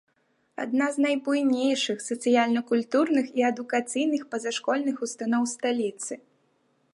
Адна з найбуйнейшых сацыяльна-культурных і адукацыйных пазашкольных устаноў сталіцы.